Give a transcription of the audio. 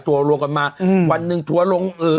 ทัวร์ลงกันมาวันหนึ่งทัวร์ลง